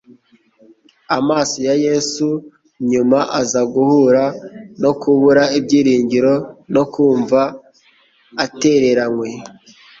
Amaso ya Yesu, nyuma aza guhura no kubura ibyiringiro no kumva atereranywe,